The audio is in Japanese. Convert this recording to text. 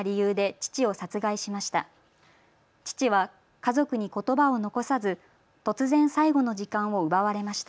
父は家族にことばを残さず突然、最後の時間を奪われました。